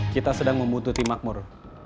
kita sedang membutuhkan makmur